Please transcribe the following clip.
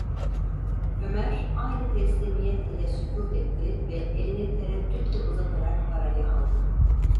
Ömer, aynı teslimiyet ile sükût etti ve elini tereddütle uzatarak parayı aldı.